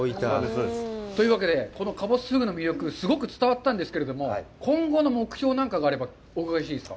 というわけで、このかぼすフグの魅力、すごく伝わったんですけれども、今後の目標なんかがあればお伺いしていいですか。